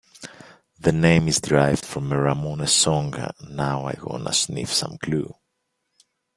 The name is derived from a Ramones song Now I Wanna Sniff Some Glue.